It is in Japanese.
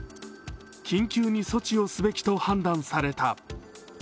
緊急に措置をすべきと判断された。